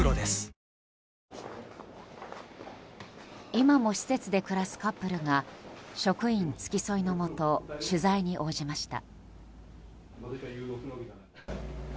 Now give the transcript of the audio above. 今も施設で暮らすカップルが職員付き添いのもと取材に応じました。